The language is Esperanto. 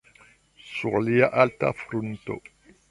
Sur lia alta frunto.